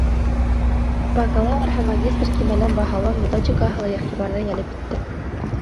Бакалавр һәм магистр кимәлен баһалау методикаһы ла иғтибарҙы йәлеп итте.